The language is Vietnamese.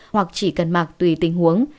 hoặc chỉ cần mặc tùy tình huống